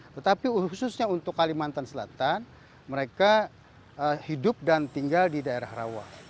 tetapi khususnya untuk kalimantan selatan mereka hidup dan tinggal di daerah rawa